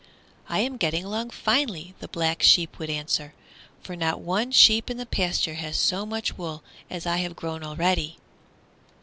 "I am getting along finely," the Black Sheep would answer, "for not one sheep in the pasture has so much wool as I have grown already."